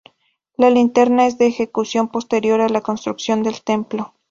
La linterna es de ejecución posterior a la construcción del templo.